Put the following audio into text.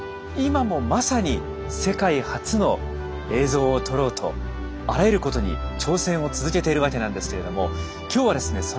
今もまさに世界初の映像を撮ろうとあらゆることに挑戦を続けているわけなんですけれども今日はですね